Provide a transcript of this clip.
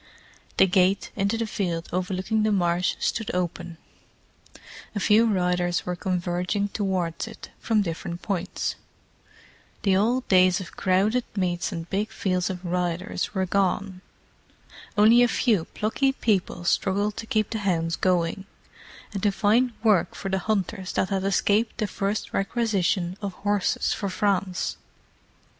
The gate into the field overlooking the marsh stood open; a few riders were converging towards it from different points. The old days of crowded meets and big fields of riders were gone. Only a few plucky people struggled to keep the hounds going, and to find work for the hunters that had escaped the first requisition of horses for France.